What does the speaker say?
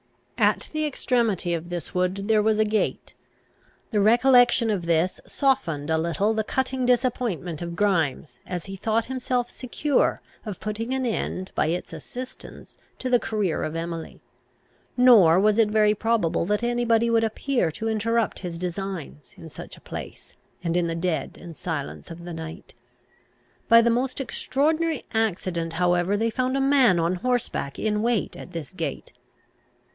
At the extremity of this wood there was a gate. The recollection of this softened a little the cutting disappointment of Grimes, as he thought himself secure of putting an end, by its assistance, to the career of Emily; nor was it very probable that any body would appear to interrupt his designs, in such a place, and in the dead and silence of the night. By the most extraordinary accident, however, they found a man on horseback in wait at this gate.